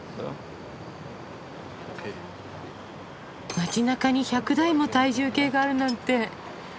街なかに１００台も体重計があるなんて。